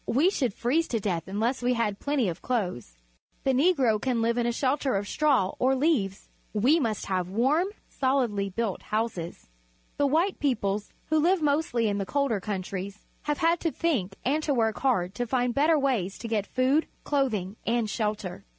We should freeze to death un less we had plenty of clothes. The Negro can live in a sheltei of straw or leaves. We must have warm, sohdly built houses. The white peoples, who Uve mostly in the colder countries, have had to think and to work hard to find better ways to get food, clothing, and shelter.